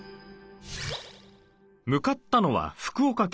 向かったのは福岡県。